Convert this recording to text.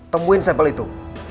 temuin sampel itu